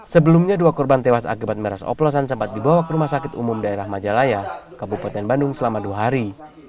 sebelumnya dua korban tewas akibat miras oplosan sempat dibawa ke rumah sakit umum daerah majalaya kabupaten bandung selama dua hari